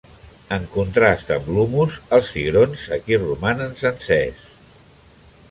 En contrast amb l'hummus, els cigrons aquí romanen senceres.